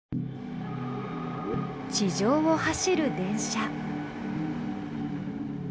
地上を走る電車。